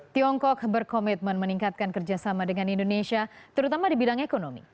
tiongkok berkomitmen meningkatkan kerjasama dengan indonesia terutama di bidang ekonomi